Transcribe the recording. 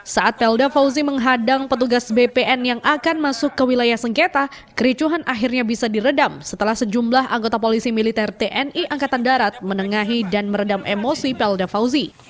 saat pelda fauzi menghadang petugas bpn yang akan masuk ke wilayah sengketa kericuhan akhirnya bisa diredam setelah sejumlah anggota polisi militer tni angkatan darat menengahi dan meredam emosi pelda fauzi